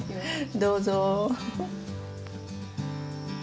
どうぞ。